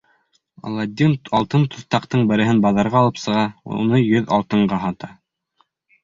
Аладдин алтын туҫтаҡтың береһен баҙарға алып сыға, уны йөҙ алтынға һата.